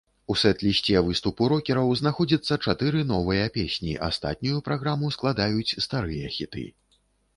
У сэт-лісце выступу рокераў знаходзіцца чатыры новыя песні, астатнюю праграму складаюць старыя хіты.